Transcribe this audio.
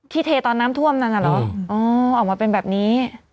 ที่เทตอนน้ำท่วมนั้นหรอออกมาเป็นแบบนี้